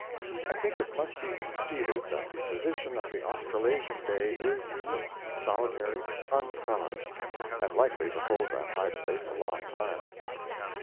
I think it must be conceded that the position of the Australasian Day is unique, solitary, unfellowed; and likely to hold that high place a long time.